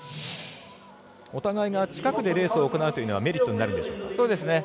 お互いが近くでレースを行うというのはメリットになるんでしょうか。